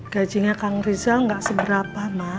gajinya kang rizal gak seberapa mak